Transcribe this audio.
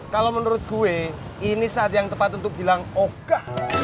kalau menurut gue ini saat yang tepat untuk bilang oke